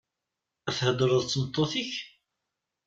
Theḍṛeḍ d tmeṭṭut-ik?